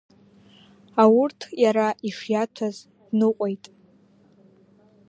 Аурҭ иара ишиаҭәаз дныҟәеит…